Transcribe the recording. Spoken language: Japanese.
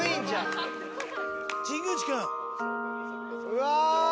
うわ！